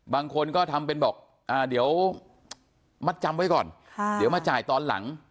บางคนก็ทำเป็นบอกเดี๋ยวมัดจำไว้ก่อนเดี๋ยวมาจ่ายตอนหลัง